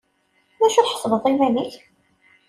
D acu tḥesbeḍ iman-ik?